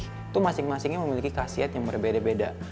itu masing masingnya memiliki khasiat yang berbeda beda